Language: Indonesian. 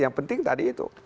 yang penting tadi itu